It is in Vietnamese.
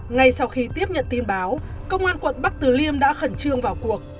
ngay sau khi tiếp nhận tin báo công an quận bắc tử liên đã khẩn trương vào cuộc